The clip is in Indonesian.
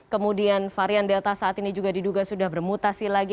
kemudian varian delta saat ini juga diduga sudah bermutasi lagi